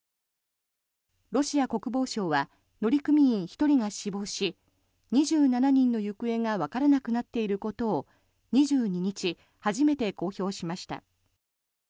ロシア国防省は乗組員１人が死亡し２７人の行方がわからなくなっていることを２２日、初めて公表しました。